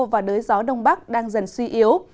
và đới gió đông bắc đang dần suy yếu